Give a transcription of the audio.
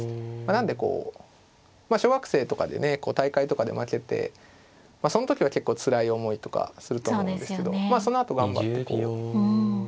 なんでこう小学生とかでね大会とかで負けてその時は結構つらい思いとかすると思うんですけどそのあと頑張ってこう。